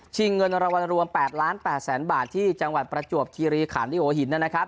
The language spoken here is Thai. ชิงเงินรวมรวมแปดล้านแปดแสนบาทที่จังหวัดประจวบคีรีขันที่โอหินนะครับ